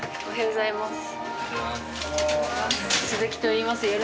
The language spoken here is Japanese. おはようございます。